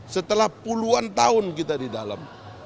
setelah puluhan tahun kita di dalam